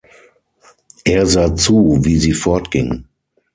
Er sah zu, wie sie fortging.